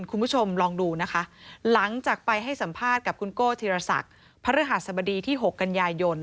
คุณผู้ชมลองดูนะคะหลังจากไปให้สัมภาษณ์กับคุณโก้ธีรศักดิ์พระฤหัสบดีที่๖กันยายน